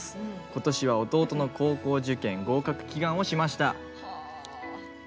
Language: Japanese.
今年は弟の高校受験合格祈願をしました。